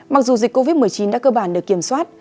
mặc dù dịch covid một mươi chín đã cơ bản được kiểm soát